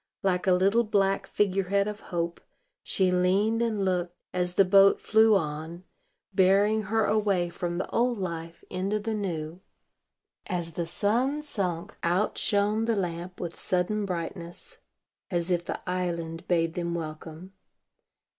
Like a little black figure head of Hope, she leaned and looked, as the boat flew on, bearing her away from the old life into the new. As the sun sunk, out shone the lamp with sudden brightness, as if the island bade them welcome.